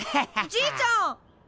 じいちゃん！